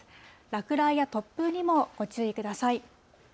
落雷や突風にもご注意ください。